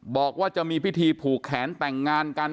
บอกว่าจะมีพิธีผูกแขนแต่งงานกัน